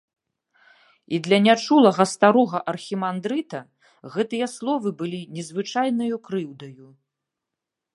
І для нячулага старога архімандрыта гэтыя словы былі незвычайнаю крыўдаю.